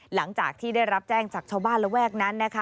หลังจากที่ได้รับแจ้งจากชาวบ้านระแวกนั้นนะคะ